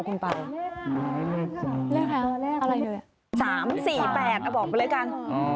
๓๔๘บอกไปเลยกัน